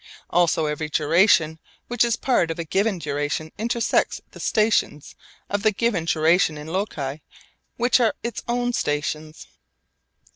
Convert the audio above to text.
Also every duration which is part of a given duration intersects the stations of the given duration in loci which are its own stations.